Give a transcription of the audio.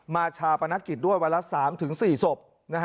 ชาปนกิจด้วยวันละ๓๔ศพ